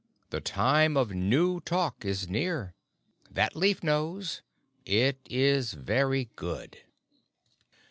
The Time of New Talk is near. That leaf knows. It is very good."